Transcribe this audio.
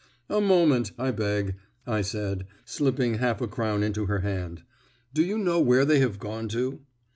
"A moment, I beg," I said, slipping half a crown into her hand. "Do you know where they have gone to?"